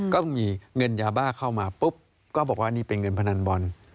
ก็มีเงินยาบ้าเข้ามาปุ๊บก็บอกว่านี่เป็นเงินพนันบอล